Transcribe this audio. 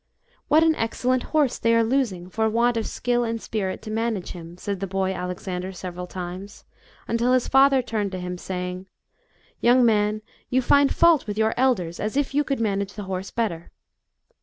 " What an excellent horse they are losing for want of skill and spirit to manage him," said the boy Alexander several times, until his father turned to him, saying, " Young man, you find fault with your elders, as if you could manage the horse better."